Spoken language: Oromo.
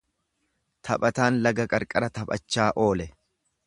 Taphataan laga qarqara taphachaa oole.